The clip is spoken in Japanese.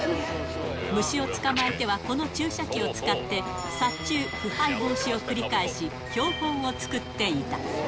虫を捕まえては、この注射器を使って、殺虫、腐敗防止を繰り返し、標本を作っていた。